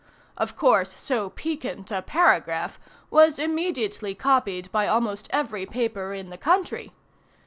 Of course, so piquant a paragraph was immediately copied by almost every paper in the country.